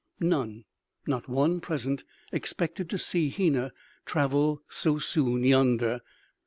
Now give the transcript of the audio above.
None, not one present, expected to see Hena travel so soon yonder.